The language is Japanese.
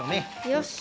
よし。